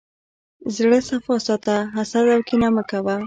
زړه صفا ساته، حسد او کینه مه کوه.